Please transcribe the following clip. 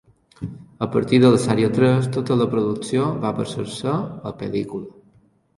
A partir de la sèrie tres, tota la producció va passar-se a pel·lícula.